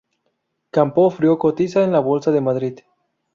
Campofrío cotiza en la Bolsa de Madrid.